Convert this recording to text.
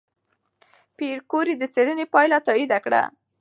پېیر کوري د څېړنې پایله تایید کړه.